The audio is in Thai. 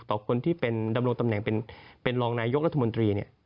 คนที่เป็นดำรงตำแหน่งเป็นรองนายกรัฐมนตรีเนี่ย